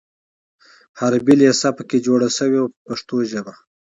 حربي لېسه په کې جوړه شوه په پښتو ژبه.